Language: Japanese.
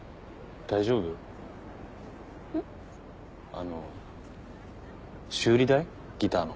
あの修理代ギターの。